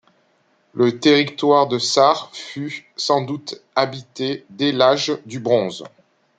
Le territoire de Sarre fut sans doute habité dès l'âge du bronze.